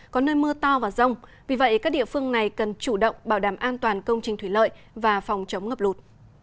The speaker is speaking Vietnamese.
có nơi mưa to và rông vì vậy các địa phương này cần chủ động bảo đảm an toàn công trình thủy lợi và phòng chống ngập lụt